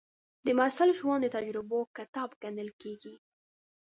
د محصل ژوند د تجربو کتاب ګڼل کېږي.